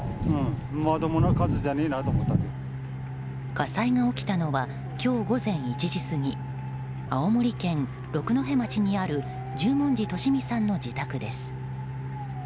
火災が起きたのは今日午前１時過ぎ青森県六戸町にある十文字利美さんの自宅です。